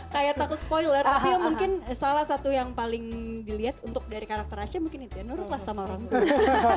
kayak takut spoiler tapi mungkin salah satu yang paling dilihat untuk dari karakter asha mungkin nurut lah sama orang tua